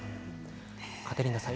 カテリーナさん